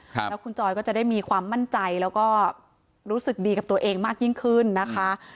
แล้วคุณจอยก็จะได้มีความมั่นใจแล้วก็รู้สึกดีกับตัวเองมากยิ่งขึ้นนะคะ